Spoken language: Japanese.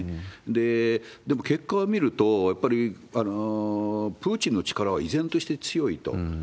でもでも結果を見ると、やっぱりプーチンの力は依然として強いと。